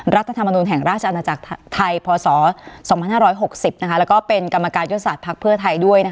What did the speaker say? รัฐธรรมนุนแห่งราชอาณาจักรไทยพศ๒๕๖๐แล้วก็เป็นกรรมการยุทธศาสตร์ภักดิ์เพื่อไทยด้วย